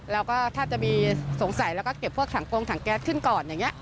แล้วก็ถ้าจะมีสงสัยแล้วก็เก็บพวกถังโกงถังแก๊สขึ้นก่อนอย่างนี้